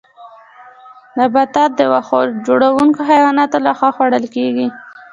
نباتات د واښه خوړونکو حیواناتو لخوا خوړل کیږي